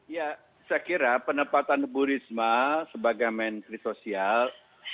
ya saya kira penempatan bu risma sebagai menteri sosial